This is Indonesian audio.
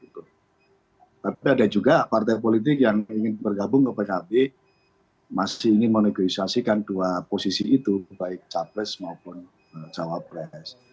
tapi ada juga partai politik yang ingin bergabung ke pkb masih ingin menegosiasikan dua posisi itu baik capres maupun cawapres